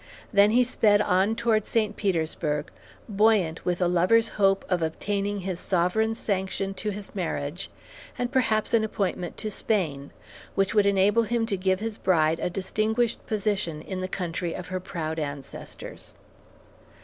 Then he sped on toward St. Petersburg, buoyant with a lover's hope of obtaining his sovereign's sanction to his marriage, and perhaps an appointment to Spain, which would enable him to give his bride a distinguished position in the country of her proud ancestors.